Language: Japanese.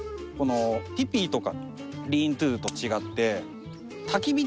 ティピーとかリーントゥと違ってああ。